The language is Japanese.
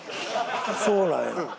そうなんや。